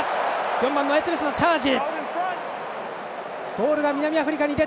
４番のエツベスのチャージ！